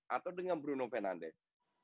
atau dengan bruno fernandes